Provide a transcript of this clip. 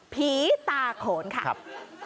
ผีตาโขนค่ะครับ